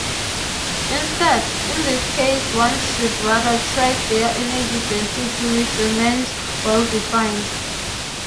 Instead, in this case one should rather track their energy density, which remains well-defined.